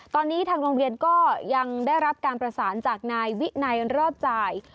ตอนนี้ทางโรงเรียนก็ยังได้รับการประสานจากนายวินัยรอบจ่าย